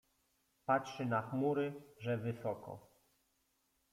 Patrzy na chmury, że wysoko.